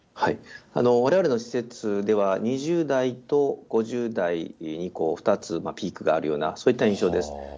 われわれの施設では、２０代と５０代に２つピークがあるような、そういった印象です。